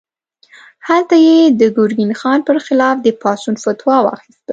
هلته یې د ګرګین خان پر خلاف د پاڅون فتوا واخیسته.